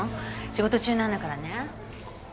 仕事中なんだからね。